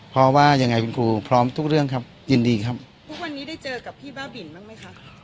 เพราะว่ายังไงคุณครูพร้อมทุกเรื่องครับยินดีครับทุกวันนี้ได้เจอกับพี่บ้าบินบ้างไหมคะ